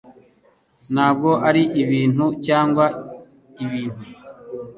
Ntabwo ari ibintu-cyangwa ibintu